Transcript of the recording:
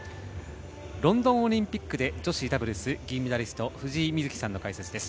ロンドンオリンピックで女子ダブルス銀メダリスト藤井瑞希さんの解説です。